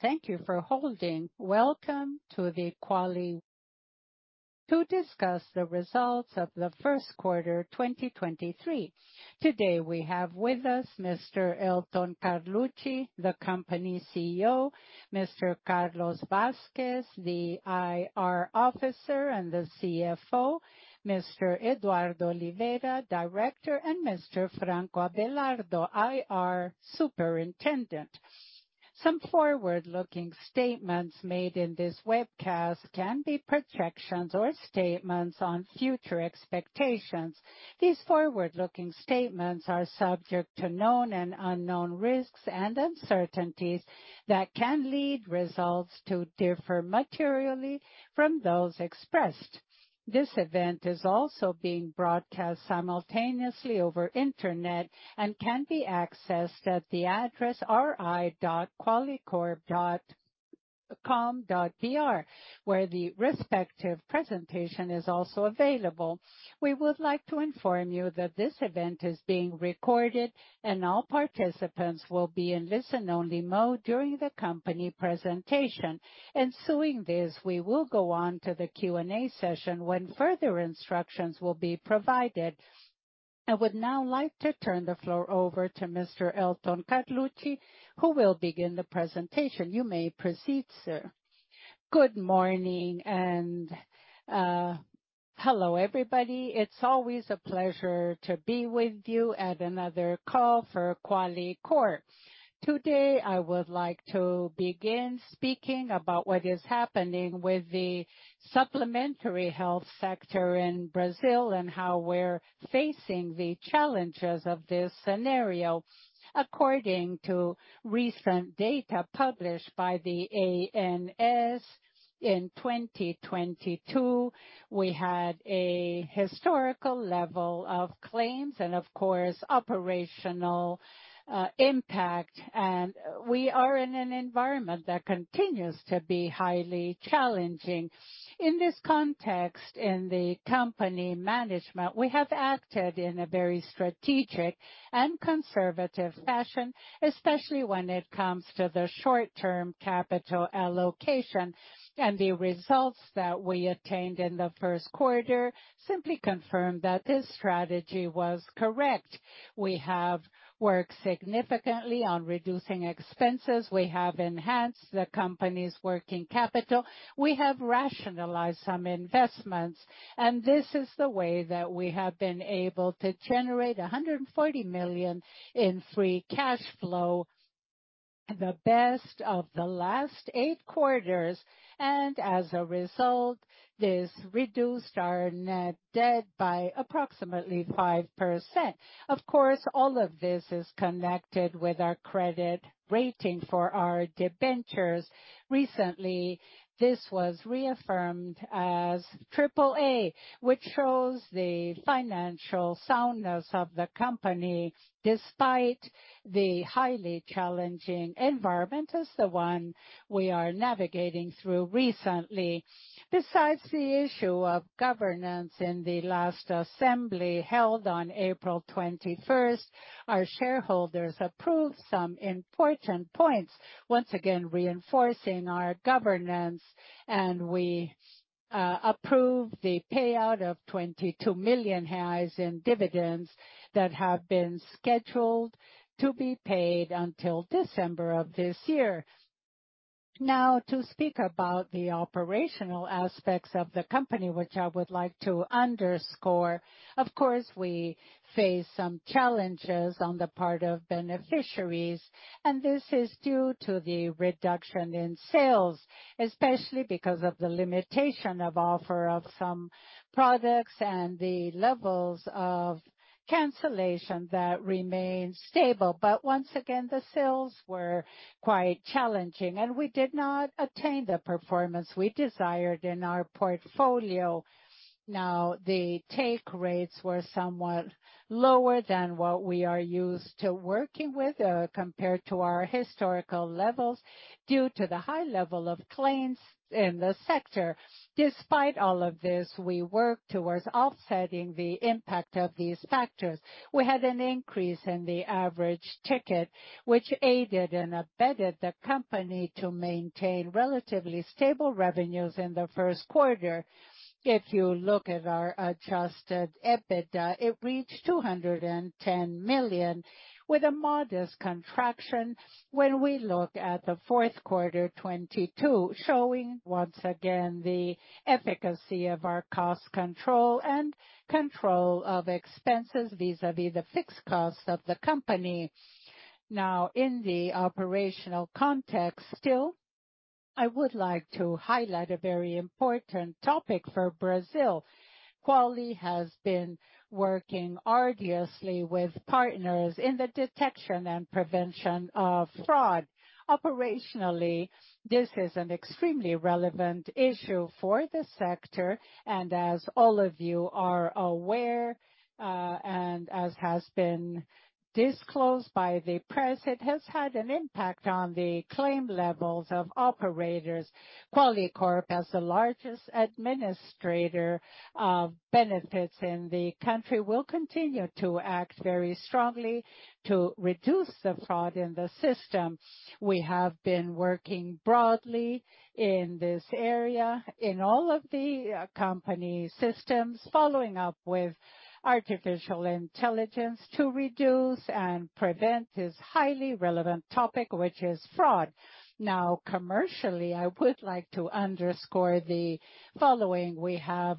Thank you for holding. Welcome to Qualicorp to discuss the results of the Q1 2023. Today we have with us Mr. Elton Carlucci, the company CEO, Mr. Carlos Vasques, the IR Officer and the CFO, Mr. Eduardo Oliveira, Director, and Mr. Franco Abelardo, IR Superintendent. Some forward-looking statements made in this webcast can be projections or statements on future expectations. These forward-looking statements are subject to known and unknown risks and uncertainties that can lead results to differ materially from those expressed. This event is also being broadcast simultaneously over Internet and can be accessed at the address ri.qualicorp.com.br, where the respective presentation is also available. We would like to inform you that this event is being recorded and all participants will be in listen-only mode during the company presentation. Ensuing this, we will go on to the Q&A session when further instructions will be provided. I would now like to turn the floor over to Mr. Elton Carlucci, who will begin the presentation. You may proceed, sir. Good morning, hello, everybody. It's always a pleasure to be with you at another call for Qualicorp. Today, I would like to begin speaking about what is happening with the supplementary health sector in Brazil and how we're facing the challenges of this scenario. According to recent data published by the ANS in 2022, we had a historical level of claims and, of course, operational impact. We are in an environment that continues to be highly challenging. In this context, in the company management, we have acted in a very strategic and conservative fashion, especially when it comes to the short-term capital allocation. The results that we attained in the Q1 simply confirmed that this strategy was correct. We have worked significantly on reducing expenses. We have enhanced the company's working capital. We have rationalized some investments. This is the way that we have been able to generate 140 million in free cash flow, the best of the last eight quarters. As a result, this reduced our net debt by approximately 5%. Of course, all of this is connected with our credit rating for our debentures. Recently, this was reaffirmed as AAA, which shows the financial soundness of the company despite the highly challenging environment as the one we are navigating through recently. Besides the issue of governance in the last assembly held on April 21st, our shareholders approved some important points, once again reinforcing our governance. We approved the payout of 22 million Reais in dividends that have been scheduled to be paid until December of this year. To speak about the operational aspects of the company, which I would like to underscore, of course, we face some challenges on the part of beneficiaries, and this is due to the reduction in sales, especially because of the limitation of offer of some products and the levels of cancellation that remain stable. Once again, the sales were quite challenging, and we did not attain the performance we desired in our portfolio. The take rates were somewhat lower than what we are used to working with, compared to our historical levels due to the high level of claims in the sector. Despite all of this, we worked towards offsetting the impact of these factors. We had an increase in the average ticket, which aided and abetted the company to maintain relatively stable revenues in the Q1. If you look at our adjusted EBITDA, it reached 210 million with a modest contraction when we look at the Q4 2022, showing once again the efficacy of our cost control and control of expenses vis-à-vis the fixed cost of the company. Now, in the operational context still, I would like to highlight a very important topic for Brazil. Quali has been working arduously with partners in the detection and prevention of fraud. Operationally, this is an extremely relevant issue for the sector. As all of you are aware, and as has been disclosed by the press, it has had an impact on the claim levels of operators. Qualicorp, as the largest administrator of benefits in the country, will continue to act very strongly to reduce the fraud in the system. We have been working broadly in this area in all of the company systems, following up with artificial intelligence to reduce and prevent this highly relevant topic, which is fraud. Now commercially, I would like to underscore the following. We have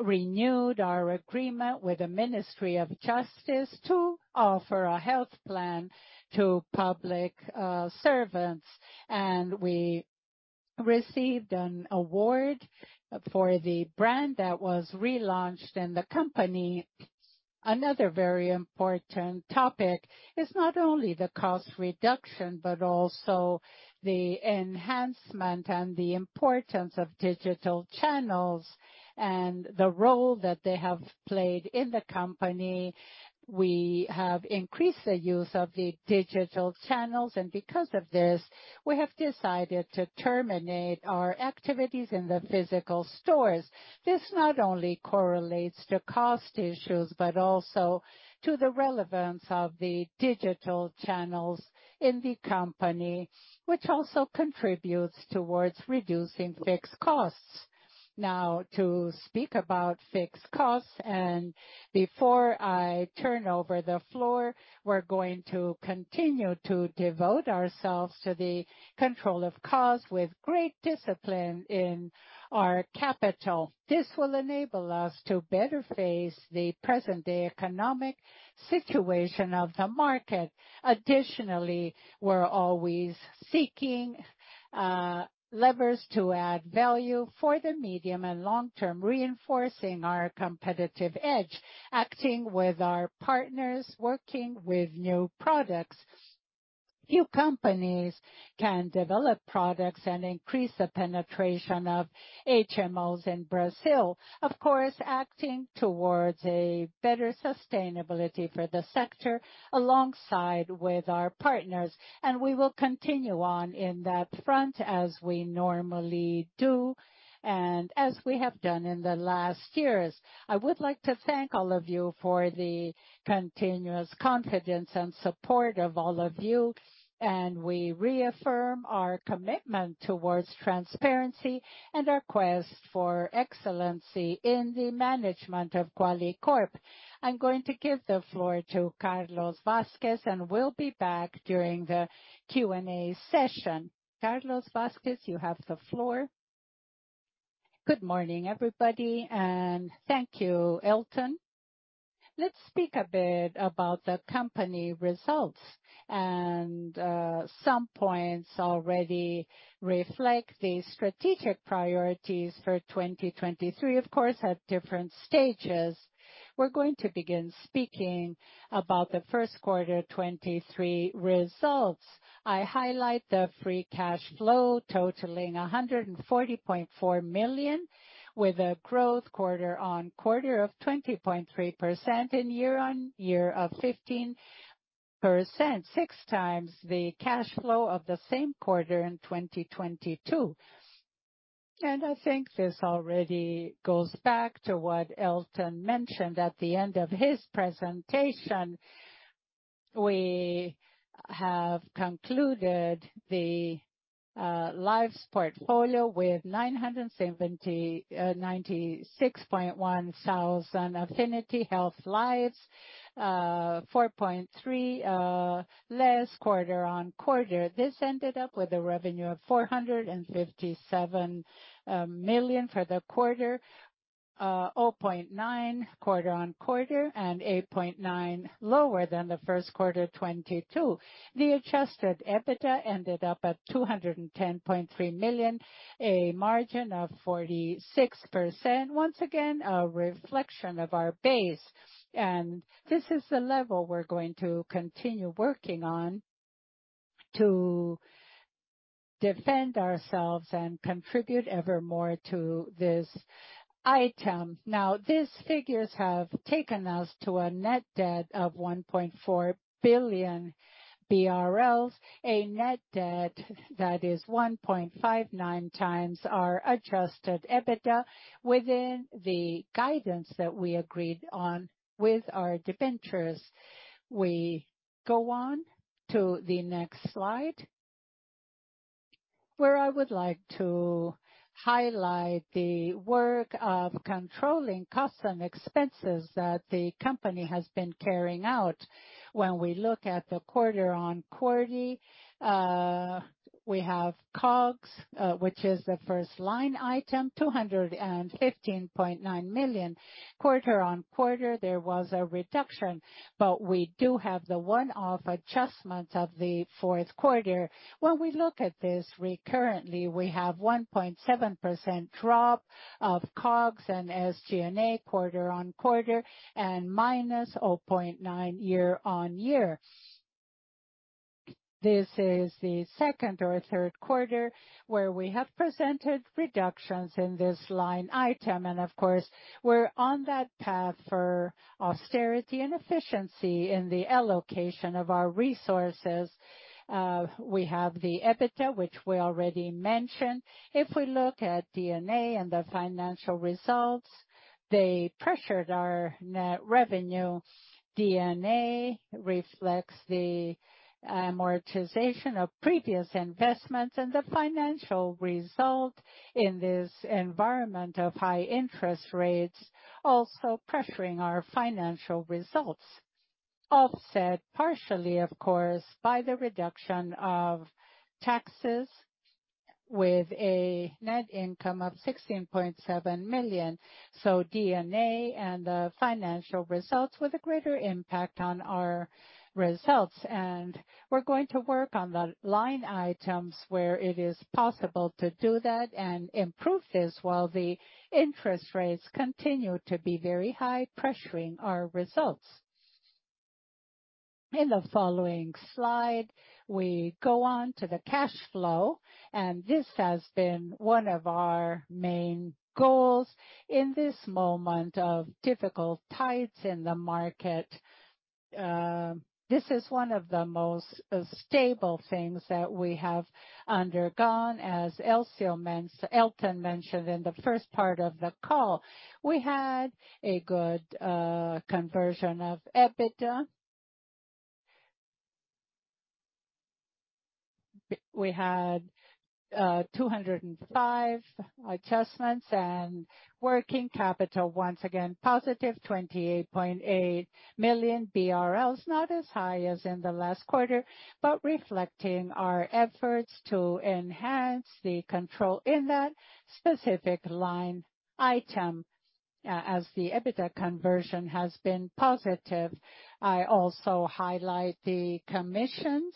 renewed our agreement with the Ministry of Justice to offer a health plan to public servants. We received an award for the brand that was relaunched in the company. Another very important topic is not only the cost reduction, but also the enhancement and the importance of digital channels and the role that they have played in the company. We have increased the use of the digital channels, and because of this, we have decided to terminate our activities in the physical stores. This not only correlates to cost issues, but also to the relevance of the digital channels in the company, which also contributes towards reducing fixed costs. To speak about fixed costs, before I turn over the floor, we're going to continue to devote ourselves to the control of costs with great discipline in our capital. This will enable us to better face the present-day economic situation of the market. Additionally, we're always seeking levers to add value for the medium and long-term, reinforcing our competitive edge, acting with our partners, working with new products. Few companies can develop products and increase the penetration of HMOs in Brazil. Of course, acting towards a better sustainability for the sector alongside with our partners. We will continue on in that front as we normally do and as we have done in the last years. I would like to thank all of you for the continuous confidence and support of all of you. We reaffirm our commitment towards transparency and our quest for excellency in the management of Qualicorp. I'm going to give the floor to Carlos Vasques. We'll be back during the Q&A session. Carlos Vasques, you have the floor. Good morning, everybody. Thank you, Elton. Let's speak a bit about the company results, and some points already reflect the strategic priorities for 2023, of course, at different stages. We're going to begin speaking about the Q1 23 results. I highlight the free cash flow totaling 140.4 million, with a growth quarter-over-quarter of 20.3% and year-over-year of 15%, 6 times the cash flow of the same quarter in 2022. I think this already goes back to what Elton mentioned at the end of his presentation. We have concluded the lives portfolio with 970,961 Affinity health lives, 4.3% less quarter-on-quarter. This ended up with a revenue of 457 million for the quarter, 0.9% quarter-on-quarter and 8.9% lower than the Q1 of 2022. The adjusted EBITDA ended up at 210.3 million, a margin of 46%. Once again, a reflection of our base. This is the level we're going to continue working on to defend ourselves and contribute evermore to this item. These figures have taken us to a net debt of 1.4 billion BRL, a net debt that is 1.59 times our adjusted EBITDA within the guidance that we agreed on with our debentures. We go on to the next slide, where I would like to highlight the work of controlling costs and expenses that the company has been carrying out. When we look at the quarter-on-quarter, we have COGS, which is the first line item, 215.9 million. Quarter-on-quarter, there was a reduction, but we do have the one-off adjustment of the Q4. When we look at this recurrently, we have 1.7% drop of COGS and SG&A quarter-on-quarter and -0.9% year-on-year. This is the Q2 or Q3 where we have presented reductions in this line item. Of course, we're on that path for austerity and efficiency in the allocation of our resources. We have the EBITDA, which we already mentioned. If we look at D&A and the financial results, they pressured our net revenue. D&A reflects the amortization of previous investments and the financial result in this environment of high interest rates also pressuring our financial results. Offset partially, of course, by the reduction of taxes with a net income of 16.7 million. D&A and the financial results with a great impact on our results. We're going to work on the line items where it is possible to do that and improve this while the interest rates continue to be very high, pressuring our results. In the following slide, we go on to the cash flow. This has been one of our main goals in this moment of difficult tides in the market. This is one of the most stable things that we have undergone. As Elton mentioned in the first part of the call, we had a good conversion of EBITDA. We had 205 adjustments and working capital, once again, positive, 28.8 million BRL. Not as high as in the last quarter, but reflecting our efforts to enhance the control in that specific line item as the EBITDA conversion has been positive. I also highlight the commissions.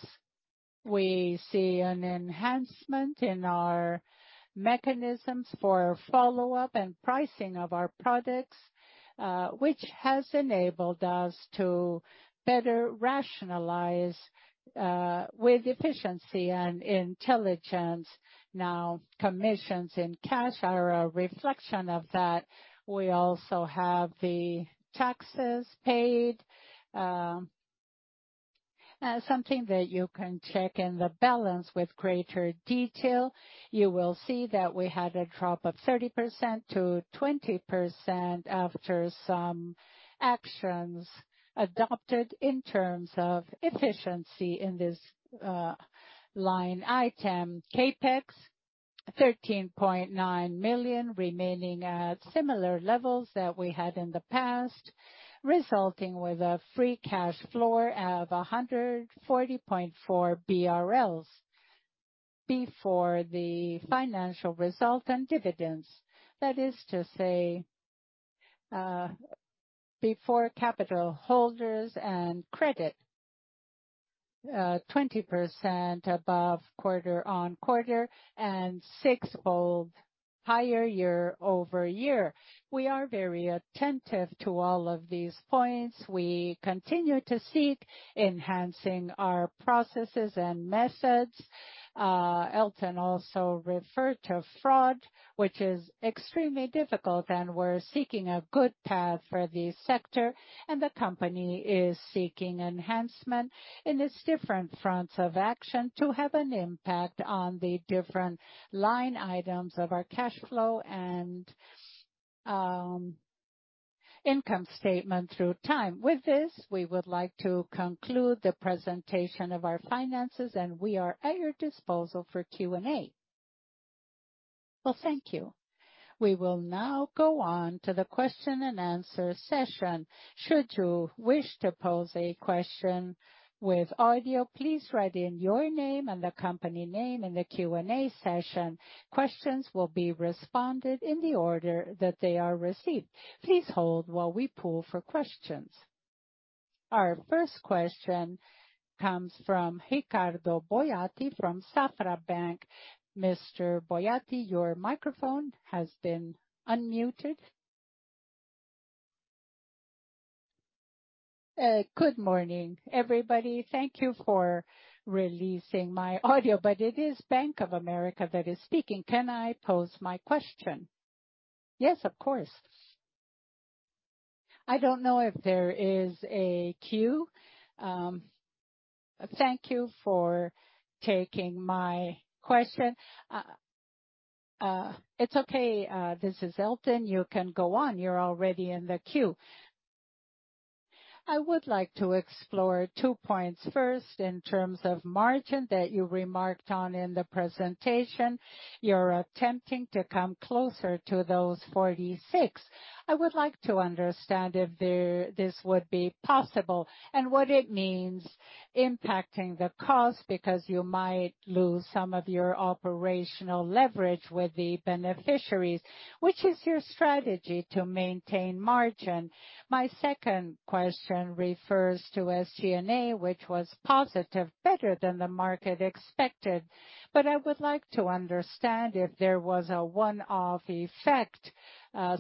We see an enhancement in our mechanisms for follow-up and pricing of our products, which has enabled us to better rationalize with efficiency and intelligence. Now, commissions in cash are a reflection of that. We also have the taxes paid, something that you can check in the balance with greater detail. You will see that we had a drop of 30% to 20% after some actions adopted in terms of efficiency in this line item. CapEx, 13.9 million, remaining at similar levels that we had in the past, resulting with a free cash flow of 140.4 BRL before the financial result and dividends. That is to say, before capital holders and credit, 20% above quarter-over-quarter and 6-fold higher year-over-year. We are very attentive to all of these points. We continue to seek enhancing our processes and methods. Elton also referred to fraud, which is extremely difficult, and we're seeking a good path for the sector. The company is seeking enhancement in its different fronts of action to have an impact on the different line items of our cash flow and income statement through time. With this, we would like to conclude the presentation of our finances, and we are at your disposal for Q&A. Well, thank you. We will now go on to the question-and-answer session. Should you wish to pose a question with audio, please write in your name and the company name in the Q&A session. Questions will be responded in the order that they are received. Please hold while we poll for questions. Our first question comes from Ricardo Boiati from Safra Bank. Mr. Boiati, your microphone has been unmuted. Good morning, everybody. Thank you for releasing my audio, but it is Bank of America that is speaking. Can I pose my question? Yes, of course. I don't know if there is a queue. Thank you for taking my question. It's okay. This is Elton. You can go on. You're already in the queue. I would like to explore two points. First, in terms of margin that you remarked on in the presentation. You're attempting to come closer to those 46. I would like to understand if this would be possible and what it means impacting the cost, because you might lose some of your operational leverage with the beneficiaries. Which is your strategy to maintain margin? My second question refers to SCNA, which was positive, better than the market expected. I would like to understand if there was a one-off effect,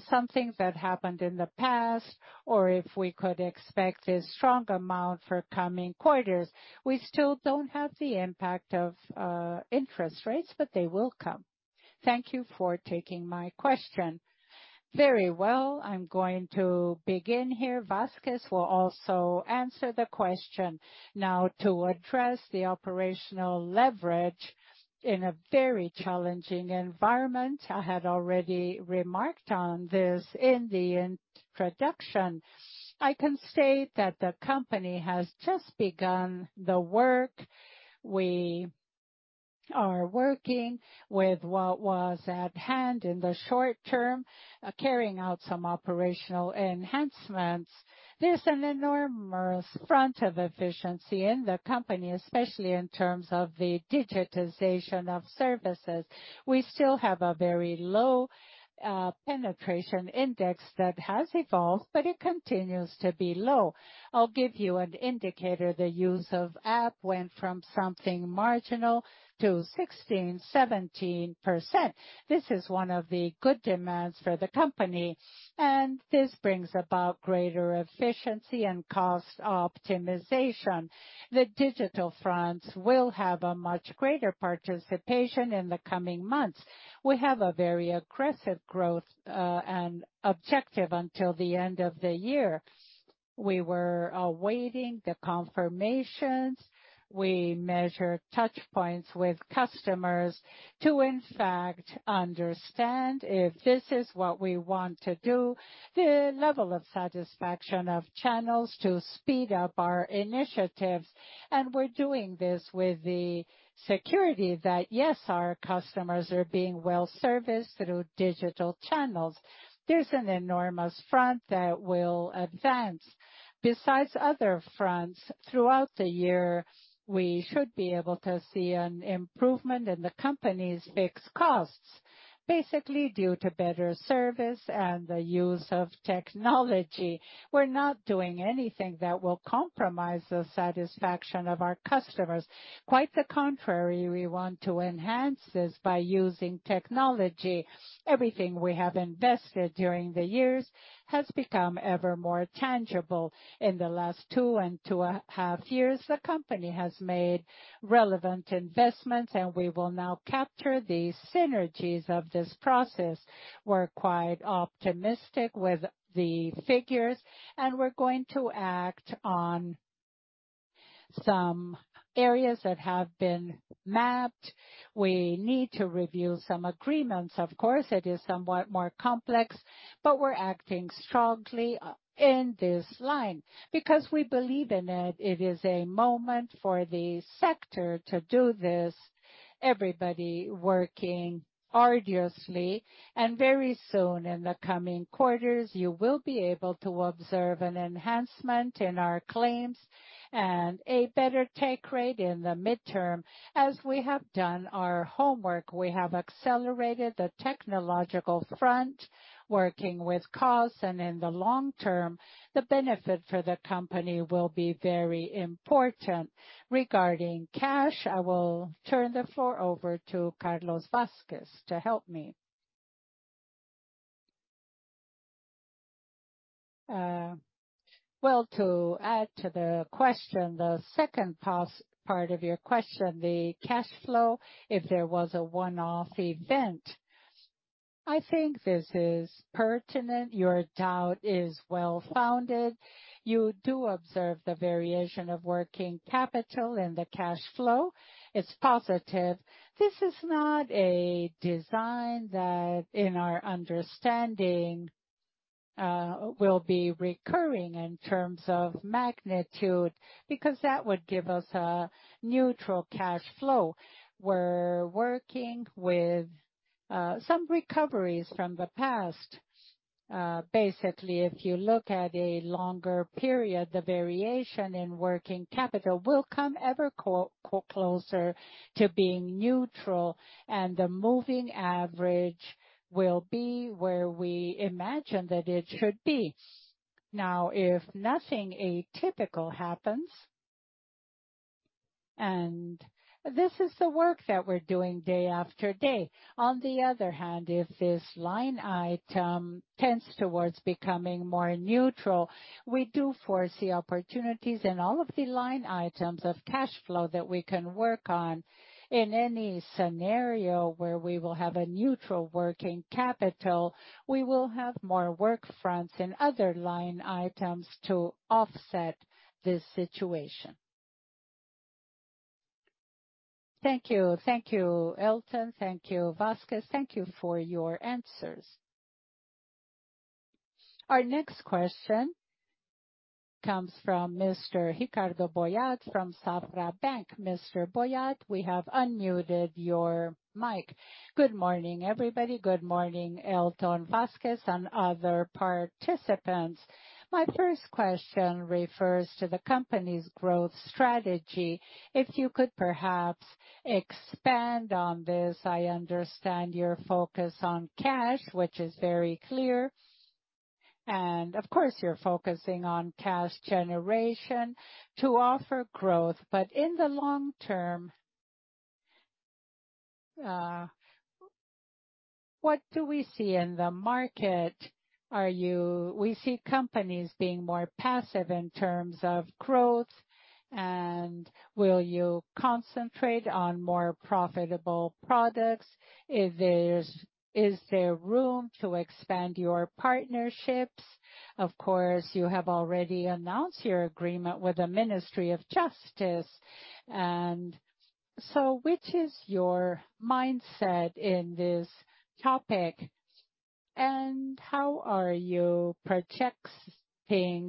something that happened in the past or if we could expect a strong amount for coming quarters. We still don't have the impact of interest rates. They will come. Thank you for taking my question. Very well. I'm going to begin here. Vasques will also answer the question. To address the operational leverage in a very challenging environment, I had already remarked on this in the introduction. I can say that the company has just begun the work. We are working with what was at hand in the short term, carrying out some operational enhancements. There's an enormous front of efficiency in the company, especially in terms of the digitization of services. We still have a very low penetration index that has evolved. It continues to be low. I'll give you an indicator. The use of app went from something marginal to 16%, 17%. This is one of the good demands for the company. This brings about greater efficiency and cost optimization. The digital fronts will have a much greater participation in the coming months. We have a very aggressive growth and objective until the end of the year. We were awaiting the confirmations. We measure touchpoints with customers to, in fact, understand if this is what we want to do, the level of satisfaction of channels to speed up our initiatives. We're doing this with the security that, yes, our customers are being well-serviced through digital channels. There's an enormous front that will advance. Other fronts throughout the year, we should be able to see an improvement in the company's fixed costs, basically due to better service and the use of technology. We're not doing anything that will compromise the satisfaction of our customers. Quite the contrary, we want to enhance this by using technology. Everything we have invested during the years has become ever more tangible. In the last two and a half years, the company has made relevant investments, and we will now capture the synergies of this process. We're quite optimistic with the figures, and we're going to act on some areas that have been mapped. We need to review some agreements. Of course, it is somewhat more complex, but we're acting strongly in this line because we believe in it. It is a moment for the sector to do this, everybody working arduously. Very soon, in the coming quarters, you will be able to observe an enhancement in our claims and a better take rate in the midterm, as we have done our homework. We have accelerated the technological front, working with costs and in the long term, the benefit for the company will be very important. Regarding cash, I will turn the floor over to Carlos Vasques to help me. Well, to add to the question, the second part of your question, the cash flow, if there was a one-off event, I think this is pertinent. Your doubt is well-founded. You do observe the variation of working capital in the cash flow. It's positive. This is not a design that, in our understanding, will be recurring in terms of magnitude, because that would give us a neutral cash flow. We're working with some recoveries from the past. Basically, if you look at a longer period, the variation in working capital will come ever closer to being neutral, and the moving average will be where we imagine that it should be. If nothing atypical happens, and this is the work that we're doing day after day. On the other hand, if this line item tends towards becoming more neutral, we do foresee opportunities in all of the line items of cash flow that we can work on. In any scenario where we will have a neutral working capital, we will have more work fronts and other line items to offset this situation. Thank you. Thank you, Elton. Thank you, Vasques. Thank you for your answers. Our next question comes from Mr. Ricardo Boiati from Safra Bank. Mr. Boiati, we have unmuted your mic. Good morning, everybody. Good morning, Elton, Vasques, and other participants. My first question refers to the company's growth strategy. If you could perhaps expand on this. I understand your focus on cash, which is very clear. Of course, you're focusing on cash generation to offer growth. In the long term, what do we see in the market? We see companies being more passive in terms of growth. Will you concentrate on more profitable products? Is there room to expand your partnerships? Of course, you have already announced your agreement with the Ministry of Justice. Which is your mindset in this topic? And how are you protecting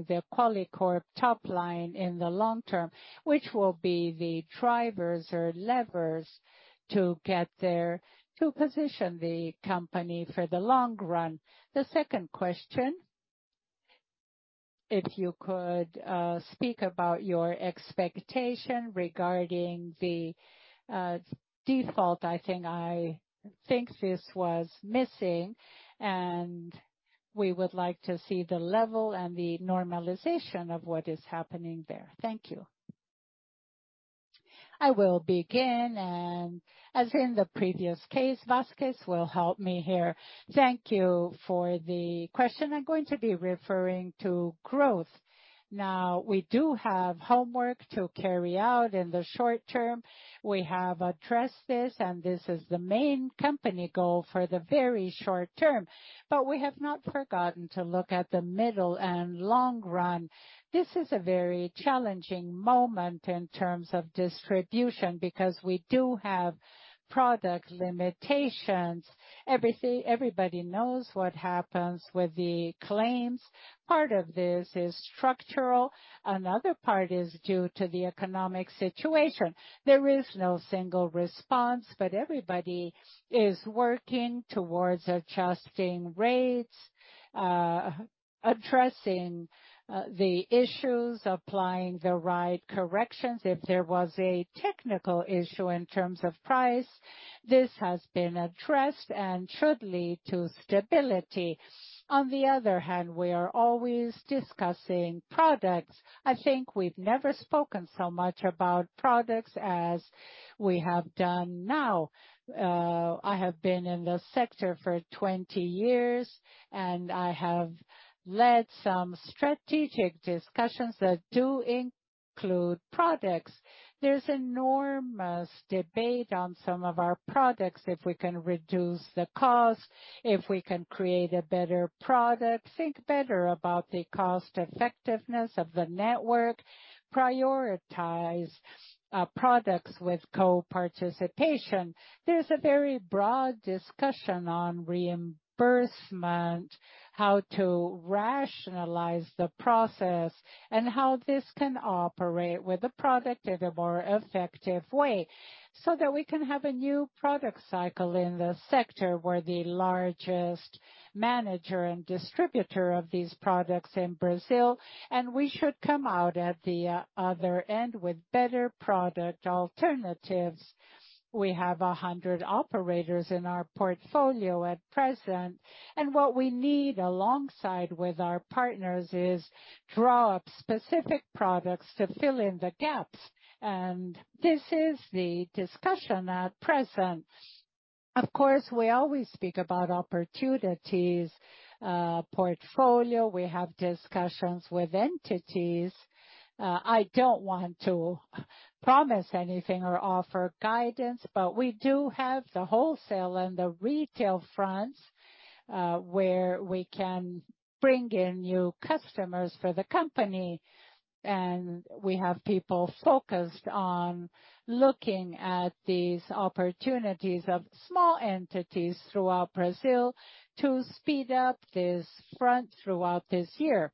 the Qualicorp top line in the long term? Which will be the drivers or levers to get there to position the company for the long run? The second question, if you could, speak about your expectation regarding the default. I think this was missing, we would like to see the level and the normalization of what is happening there. Thank you. I will begin, as in the previous case, Vasques will help me here. Thank you for the question. I'm going to be referring to growth. We do have homework to carry out in the short term. We have addressed this is the main company goal for the very short term. We have not forgotten to look at the middle and long run. This is a very challenging moment in terms of distribution, because we do have product limitations. Everybody knows what happens with the claims. Part of this is structural, another part is due to the economic situation. There is no single response, but everybody is working towards adjusting rates, addressing the issues, applying the right corrections. If there was a technical issue in terms of price, this has been addressed and should lead to stability. On the other hand, we are always discussing products. I think we've never spoken so much about products as we have done now. I have been in the sector for 20 years, and I have led some strategic discussions that do include products. There's enormous debate on some of our products, if we can reduce the cost, if we can create a better product, think better about the cost effectiveness of the network, prioritize products with co-participation. There's a very broad discussion on reimbursement, how to rationalize the process, and how this can operate with the product in a more effective way, so that we can have a new product cycle in the sector. We're the largest manager and distributor of these products in Brazil, and we should come out at the other end with better product alternatives. We have 100 operators in our portfolio at present, and what we need, alongside with our partners, is draw up specific products to fill in the gaps. This is the discussion at present. Of course, we always speak about opportunities, portfolio. We have discussions with entities. I don't want to promise anything or offer guidance, but we do have the wholesale and the retail fronts, where we can bring in new customers for the company. We have people focused on looking at these opportunities of small entities throughout Brazil to speed up this front throughout this year.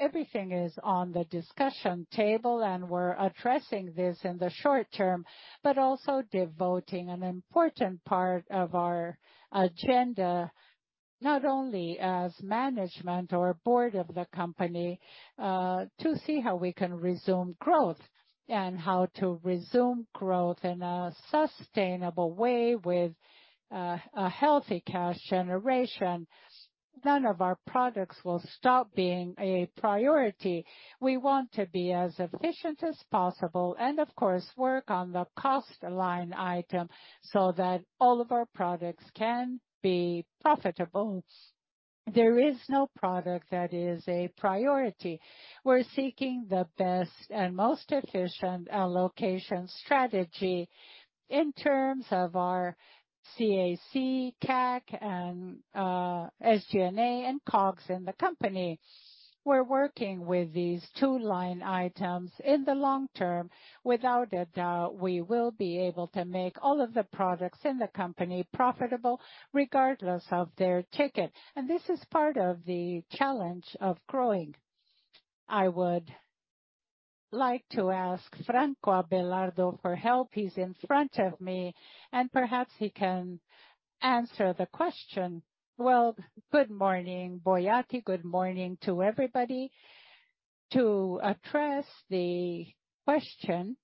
Everything is on the discussion table, and we're addressing this in the short term, but also devoting an important part of our agenda, not only as management or board of the company, to see how we can resume growth and how to resume growth in a sustainable way with a healthy cash generation. None of our products will stop being a priority. We want to be as efficient as possible and of course, work on the cost line item so that all of our products can be profitable. There is no product that is a priority. We're seeking the best and most efficient allocation strategy in terms of our CAC and SG&A and COGS in the company. We're working with these two line items in the long term. Without a doubt, we will be able to make all of the products in the company profitable regardless of their ticket. This is part of the challenge of growing. I would like to ask Franco Abelardo for help. He's in front of me, and perhaps he can answer the question. Well, good morning, Boiati. Good morning to everybody. To address the question,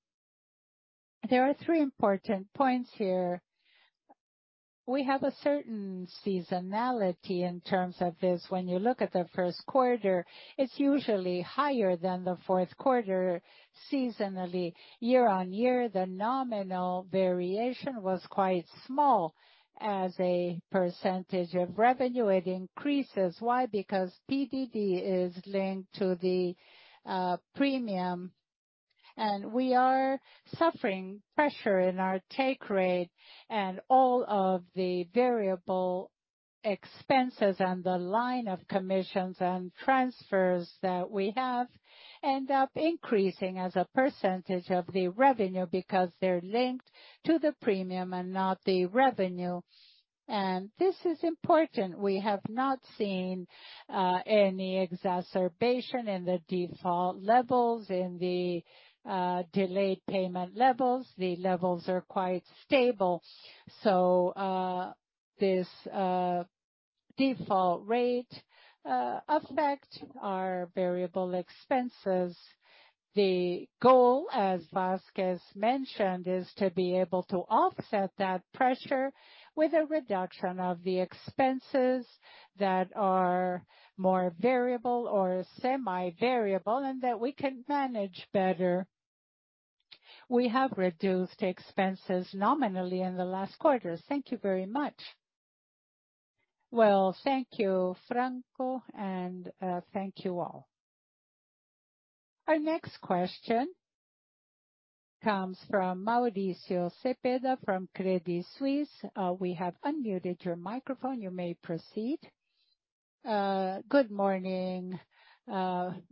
there are three important points here. We have a certain seasonality in terms of this. When you look at the Q1, it's usually higher than the Q4 seasonally. Year-on-year, the nominal variation was quite small as a percentage of revenue. It increases. Why? PDD is linked to the premium, we are suffering pressure in our take rate and all of the variable expenses and the line of commissions and transfers that we have end up increasing as a % of the revenue because they're linked to the premium and not the revenue. This is important. We have not seen any exacerbation in the default levels, in the delayed payment levels. The levels are quite stable. This default rate affect our variable expenses. The goal, as Vasques mentioned, is to be able to offset that pressure with a reduction of the expenses that are more variable or semi-variable and that we can manage better. We have reduced expenses nominally in the last quarter. Thank you very much. Thank you, Franco, and thank you all. Our next question comes from Mauricio Cepeda from Credit Suisse. We have unmuted your microphone. You may proceed. Good morning, Vasques, Franco and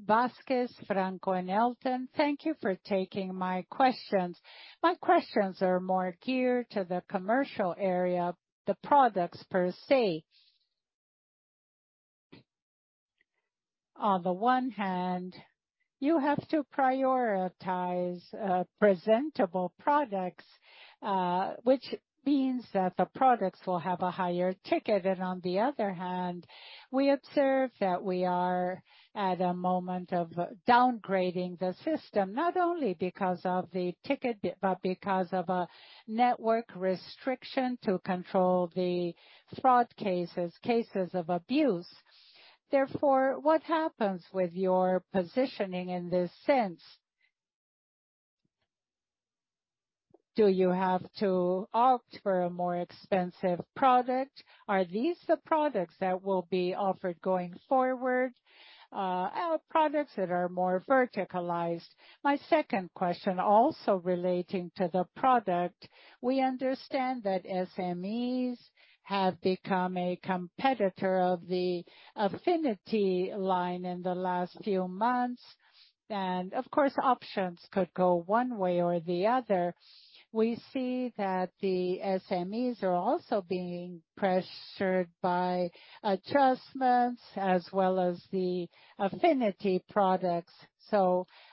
Elton Carlucci. Thank you for taking my questions. My questions are more geared to the commercial area, the products per se. On the one hand, you have to prioritize presentable products, which means that the products will have a higher ticket. On the other hand, we observe that we are at a moment of downgrading the system, not only because of the ticket, but because of a network restriction to control the fraud cases of abuse. What happens with your positioning in this sense? Do you have to opt for a more expensive product? Are these the products that will be offered going forward? Are our products that are more verticalized? My second question, also relating to the product, we understand that SMEs have become a competitor of the Affinity line in the last few months. Of course, options could go one way or the other. We see that the SMEs are also being pressured by adjustments as well as the Affinity products.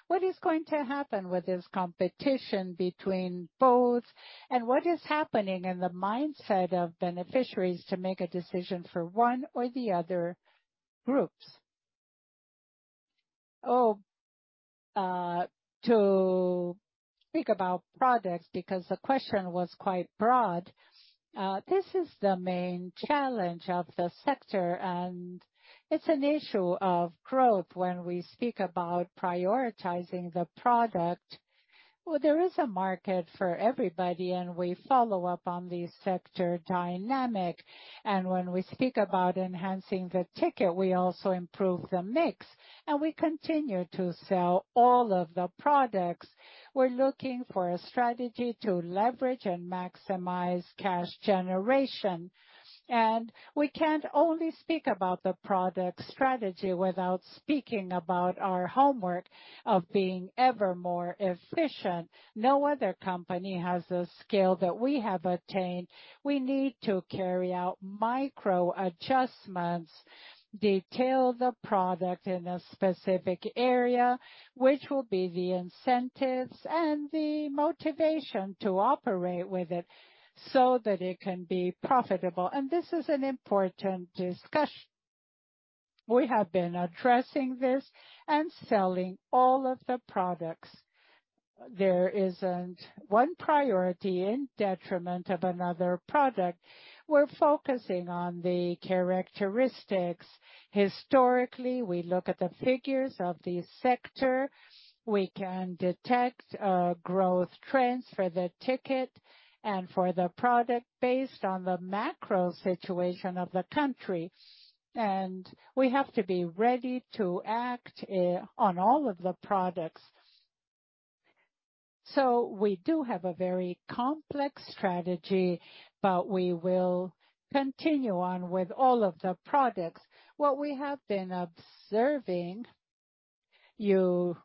What is going to happen with this competition between both, and what is happening in the mindset of beneficiaries to make a decision for one or the other groups? To speak about products because the question was quite broad, this is the main challenge of the sector, and it's an issue of growth when we speak about prioritizing the product. There is a market for everybody, and we follow up on the sector dynamic. When we speak about enhancing the ticket, we also improve the mix, and we continue to sell all of the products. We're looking for a strategy to leverage and maximize cash generation. We can't only speak about the product strategy without speaking about our homework of being ever more efficient. No other company has the scale that we have attained. We need to carry out micro adjustments, detail the product in a specific area, which will be the incentives and the motivation to operate with it so that it can be profitable. This is an important discussion. We have been addressing this and selling all of the products. There isn't one priority in detriment of another product. We're focusing on the characteristics. Historically, we look at the figures of the sector. We can detect growth trends for the ticket and for the product based on the macro situation of the country. We have to be ready to act on all of the products. We do have a very complex strategy, but we will continue on with all of the products. What we have been observing, you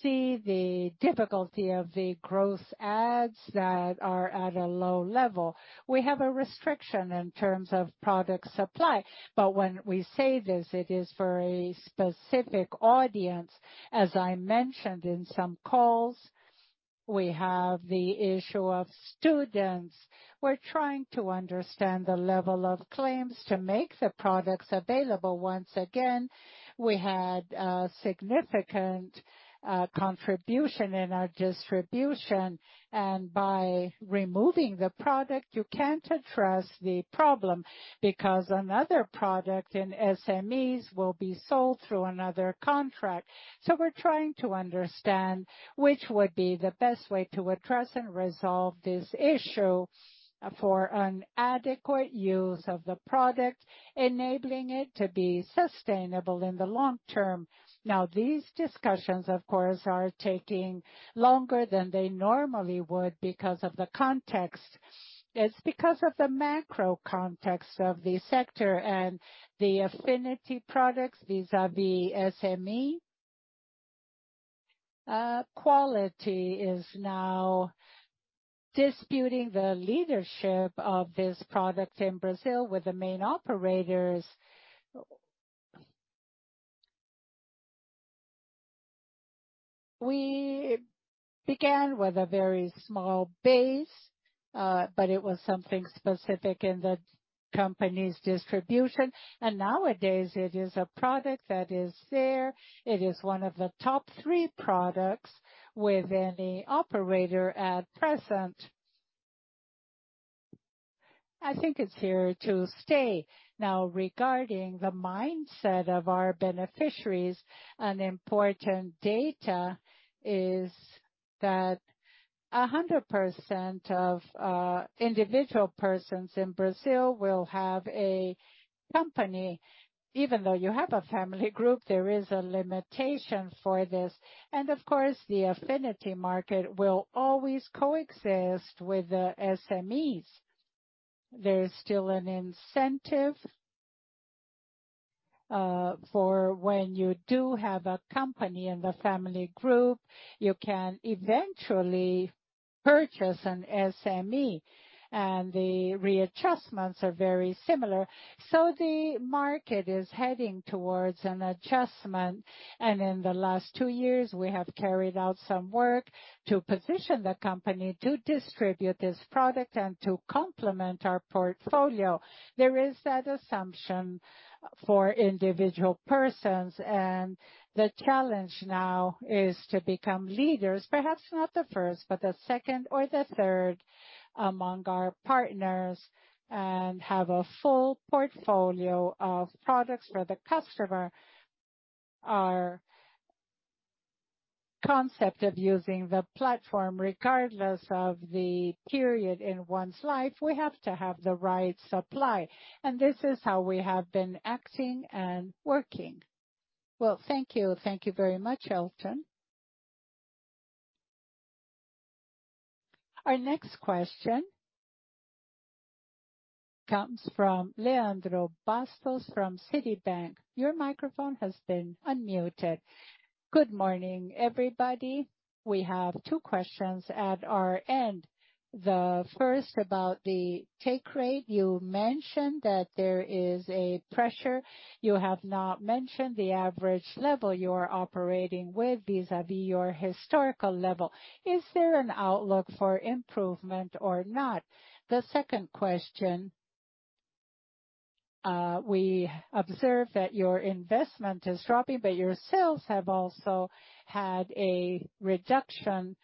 see the difficulty of the growth ads that are at a low level. We have a restriction in terms of product supply. When we say this, it is for a specific audience. As I mentioned in some calls, we have the issue of students. We're trying to understand the level of claims to make the products available. Once again, we had a significant contribution in our distribution. By removing the product, you can't address the problem because another product in SMEs will be sold through another contract. We're trying to understand which would be the best way to address and resolve this issue for an adequate use of the product, enabling it to be sustainable in the long term. These discussions, of course, are taking longer than they normally would because of the context. It's because of the macro context of the sector and the Affinity products, vis-à-vis SME, Qualicorp is now disputing the leadership of this product in Brazil with the main operators. We began with a very small base, but it was something specific in the company's distribution. Nowadays it is a product that is there. It is one of the top three products with any operator at present. I think it's here to stay. Regarding the mindset of our beneficiaries, an important data is that 100% of individual persons in Brazil will have a company. Even though you have a family group, there is a limitation for this. Of course, the Affinity market will always coexist with the SMEs. There is still an incentive for when you do have a company in the family group, you can eventually purchase an SME, and the readjustments are very similar. The market is heading towards an adjustment. In the last two years, we have carried out some work to position the company to distribute this product and to complement our portfolio. There is that assumption for individual persons, and the challenge now is to become leaders. Perhaps not the first, but the second or the third among our partners and have a full portfolio of products for the customer. Our concept of using the platform, regardless of the period in one's life, we have to have the right supply, and this is how we have been acting and working. Well, thank you. Thank you very much, Elton. Our next question comes from Leandro Bastos from Citibank. Your microphone has been unmuted. Good morning, everybody. We have two questions at our end. The first about the take rate. You mentioned that there is a pressure. You have not mentioned the average level you are operating with vis-à-vis your historical level. Is there an outlook for improvement or not? The second question, we observe that your investment is dropping, but your sales have also had a reduction.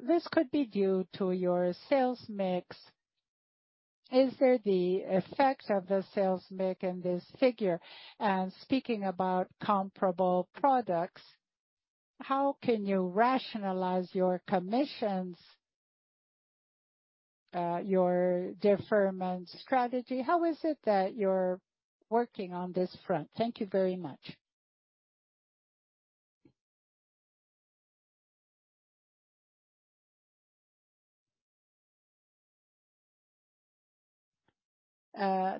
This could be due to your sales mix. Is there the effect of the sales mix in this figure? Speaking about comparable products, how can you rationalize your commissions, your deferment strategy? How is it that you're working on this front? Thank you very much.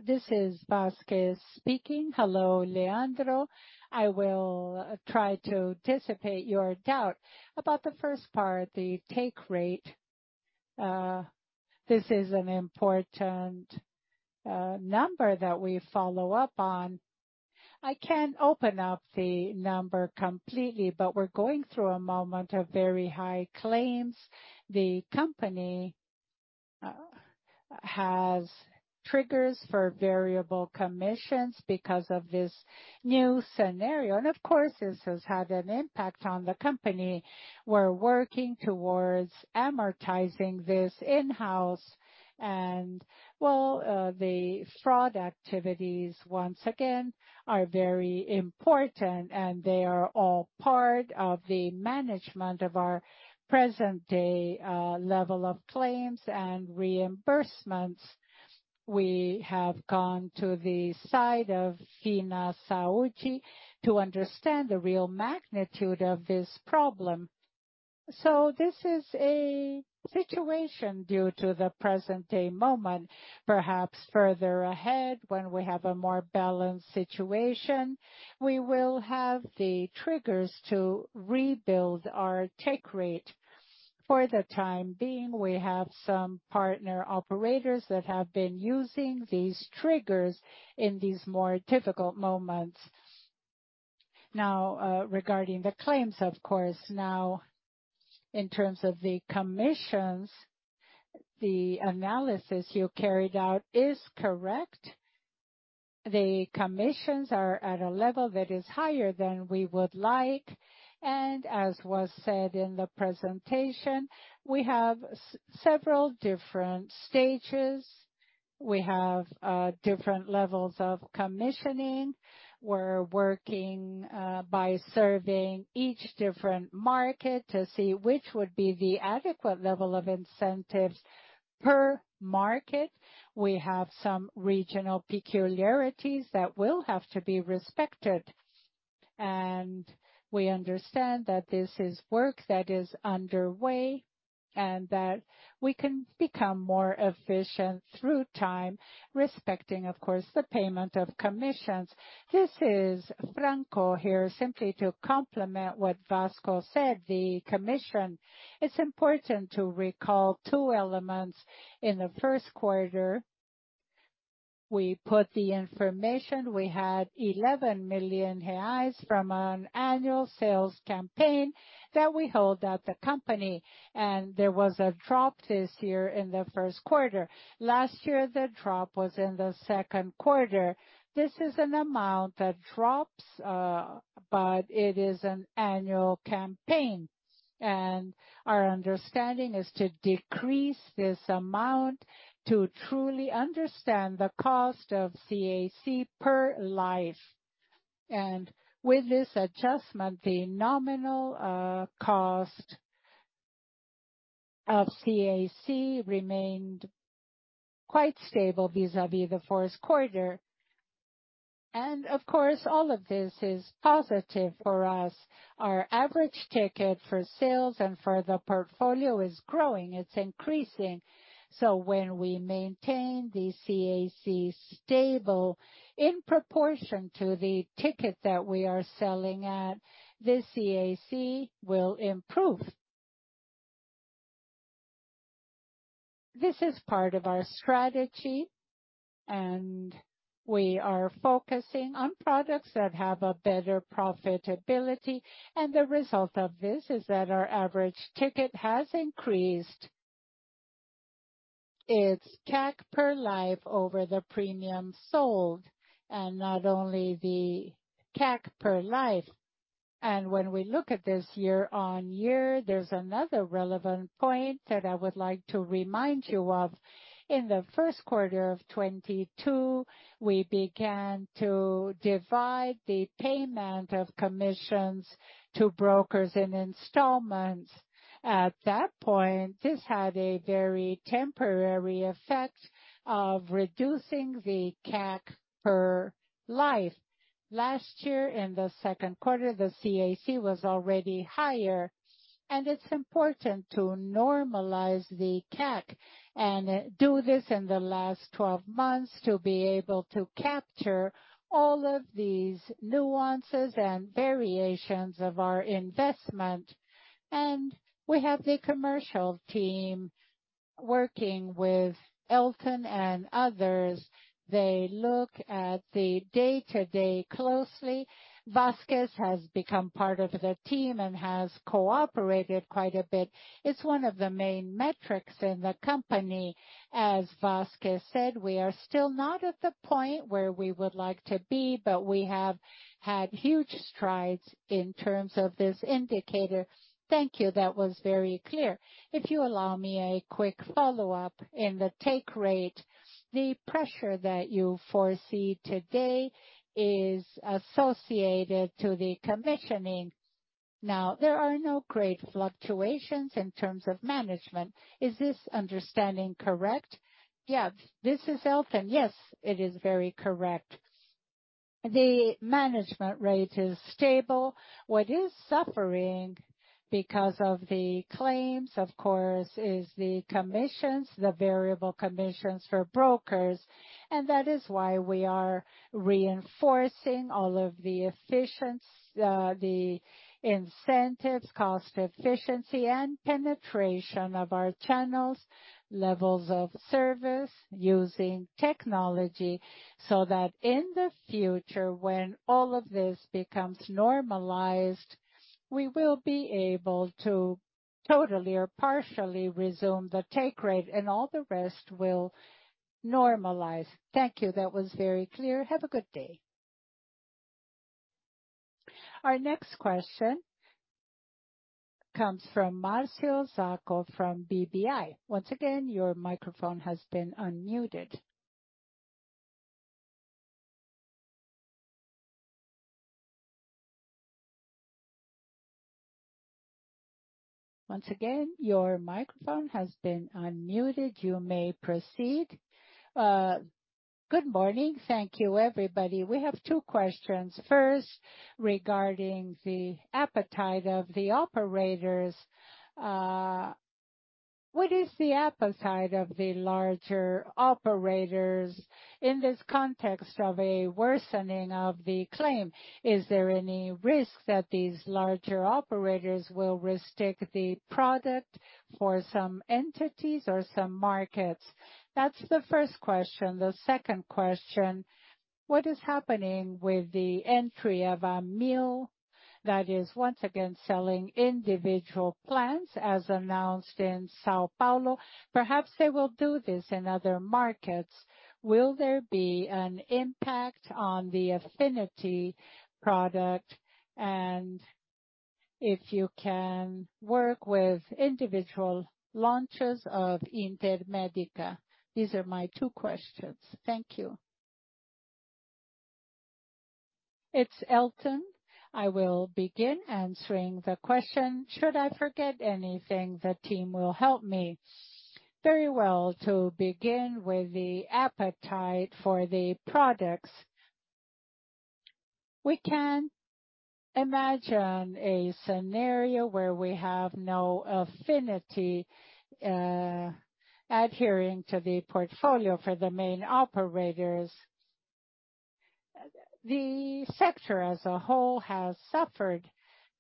This is Vasques speaking. Hello, Leandro. I will try to anticipate your doubt. About the first part, the take rate, this is an important number that we follow up on. We're going through a moment of very high claims. The company has triggers for variable commissions because of this new scenario, and of course, this has had an impact on the company. We're working towards amortizing this in-house. Well, the fraud activities, once again, are very important, and they are all part of the management of our present-day level of claims and reimbursements. We have gone to the side of FenaSaúde to understand the real magnitude of this problem. This is a situation due to the present-day moment. Perhaps further ahead, when we have a more balanced situation, we will have the triggers to rebuild our take rate. For the time being, we have some partner operators that have been using these triggers in these more difficult moments. Regarding the claims, of course. In terms of the commissions, the analysis you carried out is correct. The commissions are at a level that is higher than we would like. As was said in the presentation, we have several different stages. We have different levels of commissioning. We're working by serving each different market to see which would be the adequate level of incentives per market. We have some regional peculiarities that will have to be respected. We understand that this is work that is underway and that we can become more efficient through time, respecting, of course, the payment of commissions. This is Franco here, simply to complement what Vasques said. The commission, it's important to recall two elements. In the Q1, we put the information. We had 11 million reais from an annual sales campaign that we hold at the company, and there was a drop this year in the Q1. Last year, the drop was in the Q2. This is an amount that drops, but it is an annual campaign, and our understanding is to decrease this amount to truly understand the cost of CAC per life. With this adjustment, the nominal cost of CAC remained quite stable vis-à-vis the Q4. Of course, all of this is positive for us. Our average ticket for sales and for the portfolio is growing. It's increasing. When we maintain the CAC stable in proportion to the ticket that we are selling at, the CAC will improve. This is part of our strategy, and we are focusing on products that have a better profitability. The result of this is that our average ticket has increased. It's CAC per life over the premium sold and not only the CAC per life. When we look at this year-on-year, there's another relevant point that I would like to remind you of. In the Q1 of 2022, we began to divide the payment of commissions to brokers in installments. At that point, this had a very temporary effect of reducing the CAC per life. Last year, in the Q2, the CAC was already higher. It's important to normalize the CAC and do this in the last 12 months to be able to capture all of these nuances and variations of our investment. We have the commercial team working with Elton and others. They look at the day-to-day closely. Vasquez has become part of the team and has cooperated quite a bit. It's one of the main metrics in the company. As Vasquez said, we are still not at the point where we would like to be, but we have had huge strides in terms of this indicator. Thank you. That was very clear. If you allow me a quick follow-up. In the take rate, the pressure that you foresee today is associated to the commissioning. Now, there are no great fluctuations in terms of management. Is this understanding correct? Yeah. This is Elton. Yes, it is very correct. The management rate is stable. What is suffering because of the claims, of course, is the commissions, the variable commissions for brokers. That is why we are reinforcing all of the incentives, cost efficiency and penetration of our channels, levels of service using technology, so that in the future, when all of this becomes normalized, we will be able to totally or partially resume the take rate, and all the rest will normalize. Thank you. That was very clear. Have a good day. Our next question comes from Marcio Osaki from BBI. Once again, your microphone has been unmuted. Once again, your microphone has been unmuted. You may proceed. Good morning. Thank you, everybody. We have two questions. First, regarding the appetite of the operators. What is the appetite of the larger operators in this context of a worsening of the claim? Is there any risk that these larger operators will restate the product for some entities or some markets? That's the first question. The second question: What is happening with the entry of Amil that is once again selling individual plans as announced in São Paulo? Perhaps they will do this in other markets. Will there be an impact on the affinity product? If you can work with individual launches of Intermédica. These are my two questions. Thank you. It's Elton. I will begin answering the question. Should I forget anything, the team will help me. Very well. To begin with the appetite for the products, we can imagine a scenario where we have no affinity adhering to the portfolio for the main operators. The sector as a whole has suffered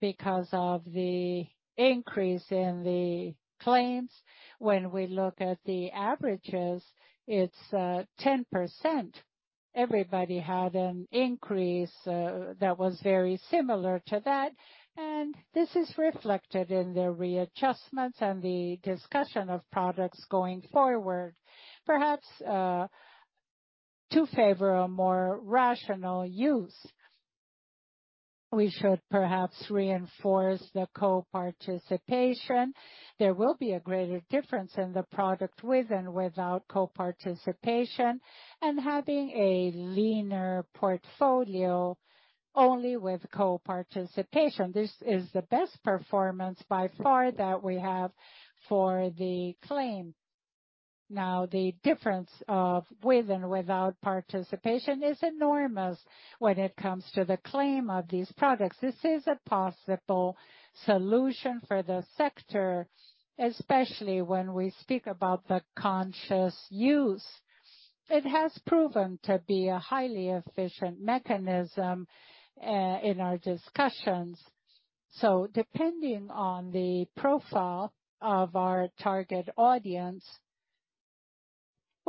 because of the increase in the claims. When we look at the averages, it's 10%. Everybody had an increase that was very similar to that, and this is reflected in the readjustments and the discussion of products going forward. Perhaps, to favor a more rational use, we should perhaps reinforce the co-participation. There will be a greater difference in the product with and without co-participation and having a leaner portfolio only with co-participation. This is the best performance by far that we have for the claim. Now, the difference of with and without participation is enormous when it comes to the claim of these products. This is a possible solution for the sector, especially when we speak about the conscious use. It has proven to be a highly efficient mechanism in our discussions. Depending on the profile of our target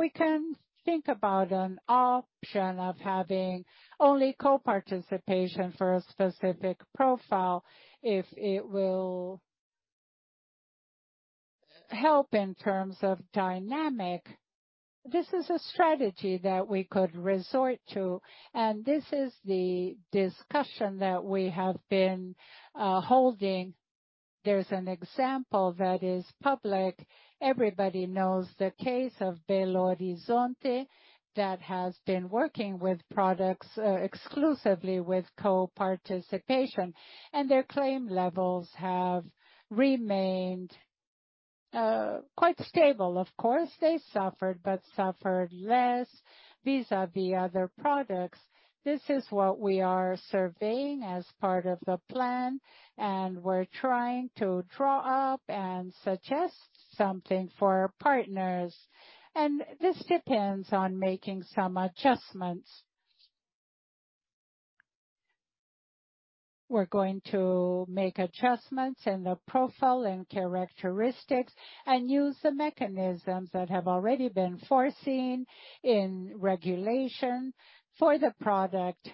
audience, we can think about an option of having only co-participation for a specific profile if it will help in terms of dynamic. This is a strategy that we could resort to, and this is the discussion that we have been holding. There's an example that is public. Everybody knows the case of Belo Horizonte that has been working with products exclusively with co-participation, and their claim levels have remained quite stable. Of course, they suffered, but suffered less vis-à-vis other products. This is what we are surveying as part of the plan, and we're trying to draw up and suggest something for our partners. This depends on making some adjustments. We're going to make adjustments in the profile and characteristics and use the mechanisms that have already been foreseen in regulation for the product.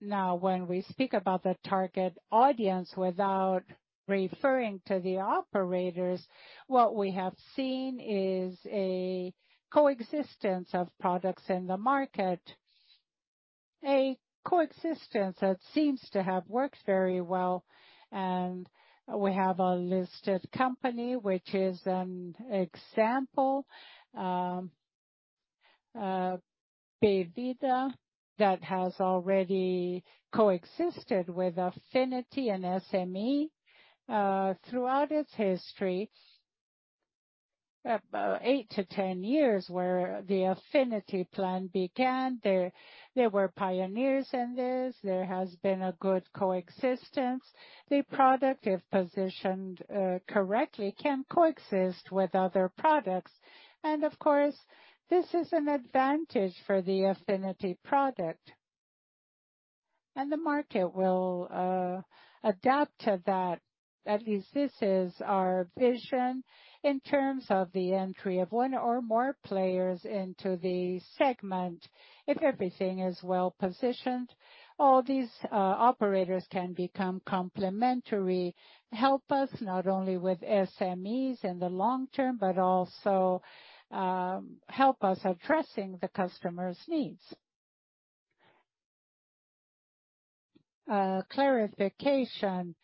Now, when we speak about the target audience without referring to the operators, what we have seen is a coexistence of products in the market. A coexistence that seems to have worked very well. We have a listed company, which is an example, Hapvida, that has already coexisted with Affinity and SME throughout its history. About 8-10 years where the Affinity plan began. They were pioneers in this. There has been a good coexistence. The product, if positioned correctly, can coexist with other products. Of course, this is an advantage for the Affinity product. The market will adapt to that. At least this is our vision in terms of the entry of one or more players into the segment. If everything is well-positioned, all these operators can become complementary, help us not only with SMEs in the long term, but also help us addressing the customer's needs. Clarification.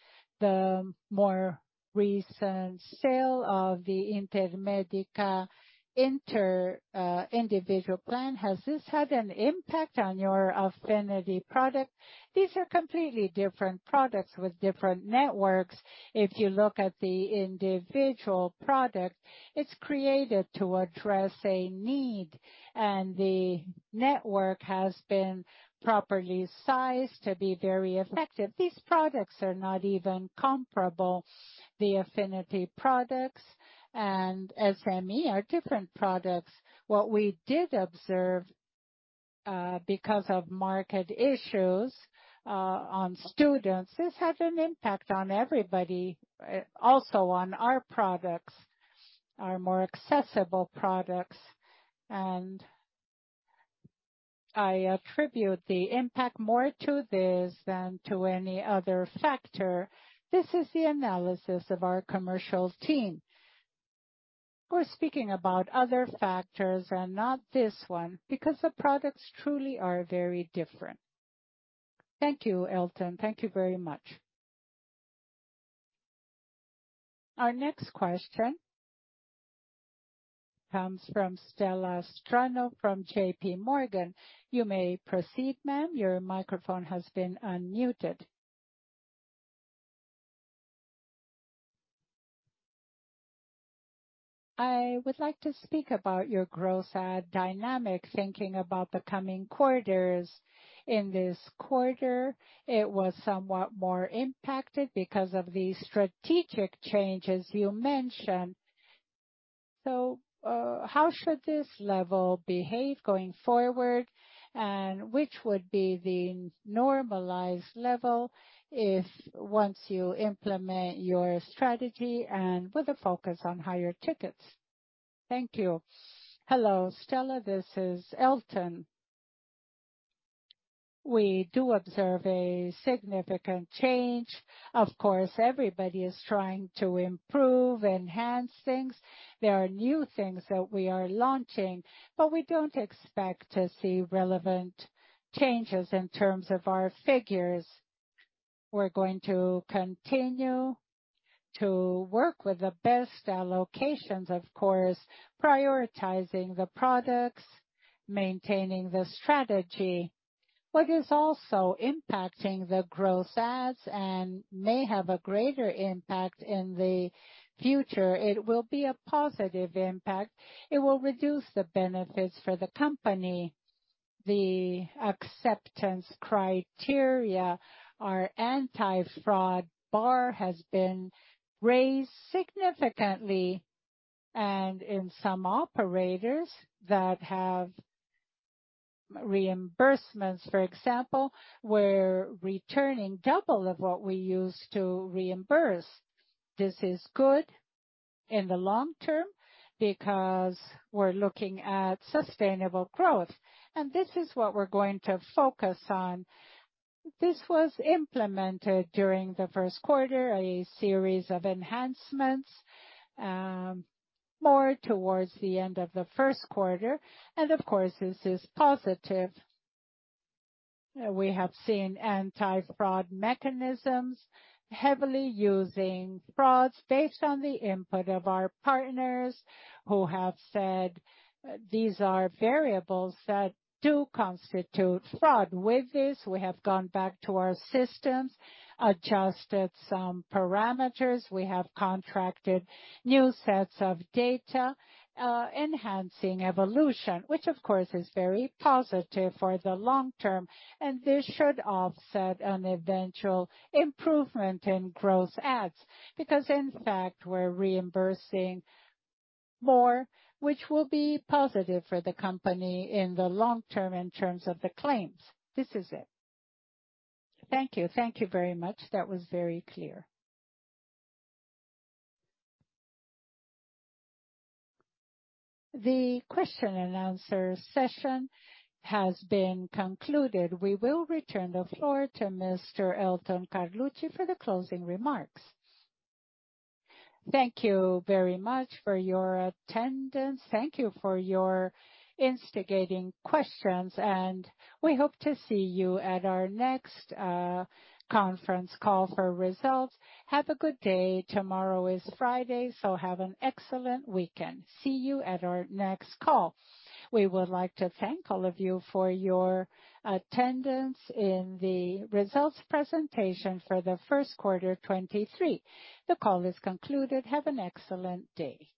The more recent sale of the Intermédica individual plan, has this had an impact on your Affinity product? These are completely different products with different networks. If you look at the individual product, it's created to address a need, and the network has been properly sized to be very effective. These products are not even comparable. The Affinity products and SME are different products. What we did observe, because of market issues, on students, this had an impact on everybody, also on our products, our more accessible products. I attribute the impact more to this than to any other factor. This is the analysis of our commercial team. We're speaking about other factors and not this one, because the products truly are very different. Thank you, Elton. Thank you very much. Our next question comes from Stella Capoccia from JP Morgan. You may proceed, ma'am. Your microphone has been unmuted. I would like to speak about your gross add dynamics, thinking about the coming quarters. In this quarter, it was somewhat more impacted because of the strategic changes you mentioned. How should this level behave going forward? Which would be the normalized level if once you implement your strategy and with a focus on higher tickets? Thank you. Hello, Stella, this is Elton. We do observe a significant change. Of course, everybody is trying to improve, enhance things. There are new things that we are launching, but we don't expect to see relevant changes in terms of our figures. We're going to continue to work with the best allocations, of course, prioritizing the products, maintaining the strategy. What is also impacting the growth adds, and may have a greater impact in the future, it will be a positive impact. It will reduce the benefits for the company. The acceptance criteria, our anti-fraud bar has been raised significantly. In some operators that have reimbursements, for example, we're returning double of what we use to reimburse. This is good in the long term because we're looking at sustainable growth. This is what we're going to focus on. This was implemented during the Q1, a series of enhancements, more towards the end of the Q1. Of course, this is positive. We have seen anti-fraud mechanisms heavily using frauds based on the input of our partners, who have said these are variables that do constitute fraud. With this, we have gone back to our systems, adjusted some parameters. We have contracted new sets of data, enhancing evolution, which of course is very positive for the long term. This should offset an eventual improvement in growth adds. Because in fact, we're reimbursing more, which will be positive for the company in the long term in terms of the claims. This is it. Thank you. Thank you very much. That was very clear. The question and answer session has been concluded. We will return the floor to Mr. Elton Carlucci for the closing remarks. Thank you very much for your attendance. Thank you for your instigating questions. We hope to see you at our next conference call for results. Have a good day. Tomorrow is Friday. Have an excellent weekend. See you at our next call. We would like to thank all of you for your attendance in the results presentation for the Q1, 2023. The call is concluded. Have an excellent day.